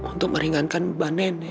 untuk meringankan beban nenek